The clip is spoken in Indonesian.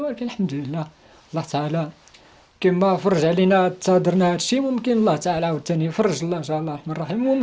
namun brahim tidak dapat menemukan sulaiman yang berada di lantai atas berhasil meninggal